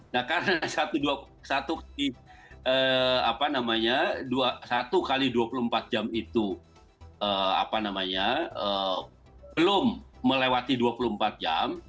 nah karena satu x dua puluh empat jam itu belum melewati dua puluh empat jam